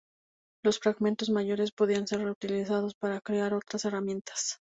Los fragmentos mayores podían ser reutilizados para crear otras herramientas.